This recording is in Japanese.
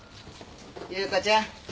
優子ちゃん。